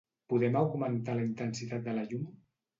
Podem augmentar la intensitat de la llum?